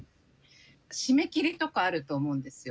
締め切りとかあると思うんですよ。